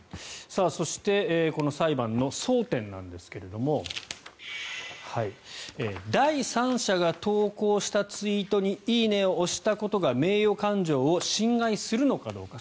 そしてこの裁判の争点なんですけど第三者が投稿したツイートに「いいね」を押したことが名誉感情を侵害するのかどうか。